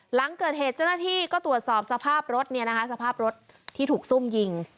หลังเกิดเหตุเจ้าหน้าที่ก็ตรวจสอบสภาพรถเนี่ยนะคะสภาพรถที่ถูกซุ่มยิง